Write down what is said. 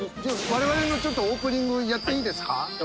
我々のちょっとオープニングやっていいですか？